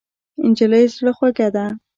نجلۍ زړه خوږه ده.